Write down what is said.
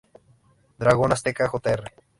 Dragon Azteca Jr.